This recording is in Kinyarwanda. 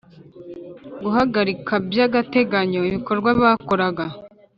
guhagarika by agateganyo ibikorwa bakoraga